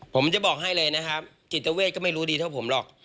ผมจะบอกให้เลยนะครับจิตเวทก็ไม่รู้ดีเท่าผมหรอก